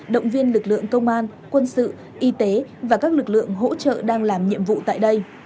động viên lực lượng công an quân sự y tế và các lực lượng hỗ trợ đang làm nhiệm vụ tại đây